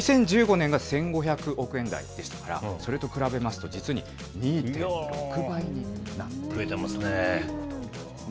２０１５年が１５００億円台でしたから、それと比べますと、実に増えてますね。